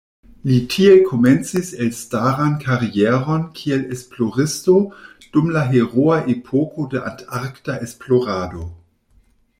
Li tiel komencis elstaran karieron kiel esploristo dum la heroa epoko de antarkta esplorado.